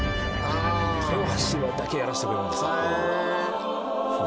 豊橋だけやらしてくれるんですよへえそう？